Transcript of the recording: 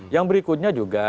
yang berikutnya juga